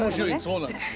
そうなんですよ。